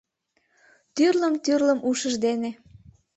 Тӱрлым-тӱрлым ушыж дене